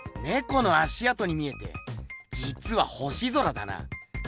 この足あとに見えてじつは星空だな。